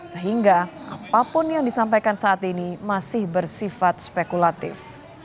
sehingga apapun yang disampaikan saat ini masih bersifat spekulatif